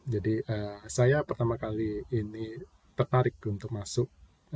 jadi saya pertama kali ini tertarik untuk masuk